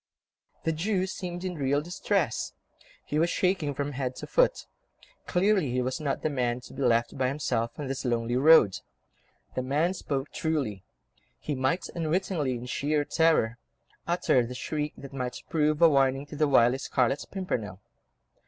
The Jew seemed in real distress; he was shaking from head to foot. Clearly he was not the man to be left by himself on this lonely road. The man spoke truly; he might unwittingly, in sheer terror, utter the shriek that might prove a warning to the wily Scarlet Pimpernel.